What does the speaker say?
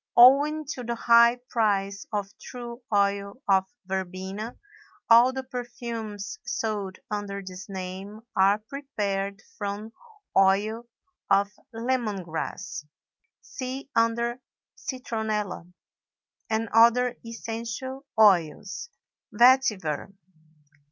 Owing to the high price of true oil of verbena, all the perfumes sold under this name are prepared from oil of lemon grass (see under Citronella) and other essential oils. VETIVER.